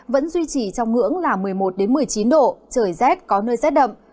vẫn duy trì trong ngưỡng là một mươi một một mươi chín độ trời rét có nơi rét đậm